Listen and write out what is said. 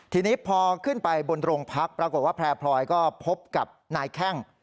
ทีนี้พอขึ้นไปบนโรงพักปรากฏว่าแพร่พลอยก็พบกับนายแข้ง